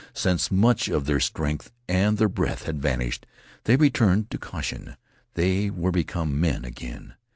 Since much of their strength and their breath had vanished, they returned to caution. They were become men again.